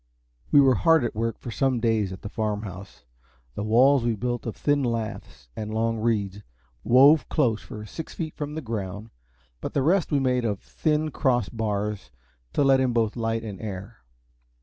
We were hard at work for some days at the Farm House. The walls we built of thin laths and long reeds, wove close for six feet from the ground, but the rest we made of thin cross bars to let in both light and air.